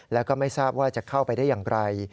แล้วก็ไม่ทราบว่าจะเข้าไปได้อย่างไร